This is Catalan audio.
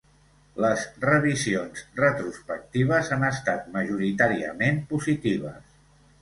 Les revisions retrospectives han estat majoritàriament positives.